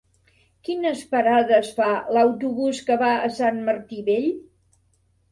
Quines parades fa l'autobús que va a Sant Martí Vell?